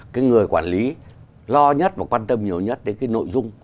cái người quản lý lo nhất và quan tâm nhiều nhất đến cái nội dung